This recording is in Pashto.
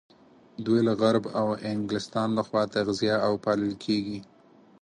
دوی له غرب او انګلستان لخوا تغذيه او پالل کېږي.